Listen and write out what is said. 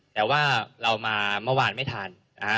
แต่ว่าเรามาเมื่อวานไม่ทัน